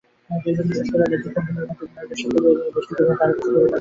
দীর্ঘনিশ্বাস ফেলে লেজের কুণ্ডলীর মধ্যে নৈরাশ্যকে বেষ্ঠিত করে দ্বারের কাছে পড়ে থাকত।